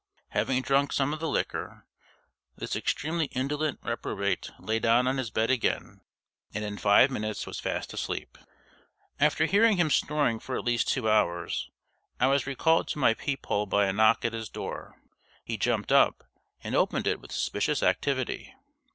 Having drunk some of the liquor, this extremely indolent reprobate lay down on his bed again, and in five minutes was fast asleep. After hearing him snoring for at least two hours, I was recalled to my peep hole by a knock at his door. He jumped up and opened it with suspicious activity.